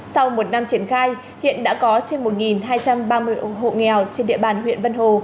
sau một năm triển khai hiện đã có trên một hai trăm ba mươi hộ nghèo trên địa bàn huyện vân hồ